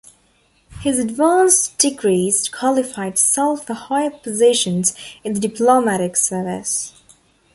His advanced degrees qualified Solf for higher positions in the diplomatic service.